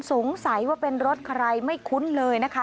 สงสัยว่าเป็นรถใครไม่คุ้นเลยนะคะ